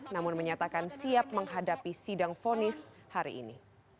namun menyatakan siap menghadapi sidang fonis hari ini